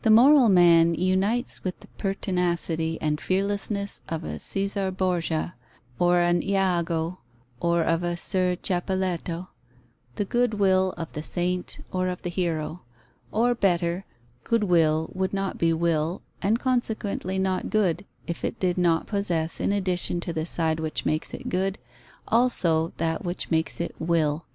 _ The moral man unites with the pertinacity and fearlessness of a Caesar Borgia, of an Iago, or of a ser Ciappelletto, the good will of the saint or of the hero. Or, better, good will would not be will, and consequently not good, if it did not possess, in addition to the side which makes it good, also that which makes it will.